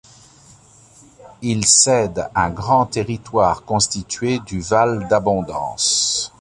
Il cède un grand territoire constitué du Val d'Abondance.